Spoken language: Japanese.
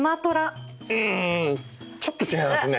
んんちょっと違いますね。